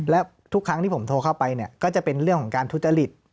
แล้วทุกครั้งที่ผมโทรเข้าไปเนี่ยก็จะเป็นเรื่องของการทุจริต